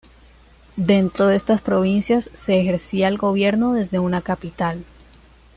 Dentro de estas provincias, se ejercía el gobierno desde una capital.